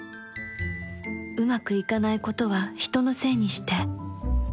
うまくいかない事は人のせいにして